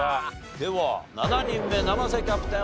では７人目生瀬キャプテン